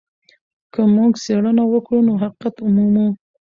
که موږ څېړنه وکړو نو حقيقت مومو.